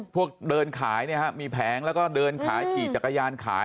พวกเดินขายเนี่ยฮะมีแผงแล้วก็เดินขายขี่จักรยานขาย